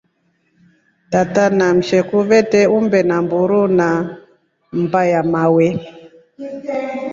Tata na msheku vete umbe a mburu na mmba ya mawe.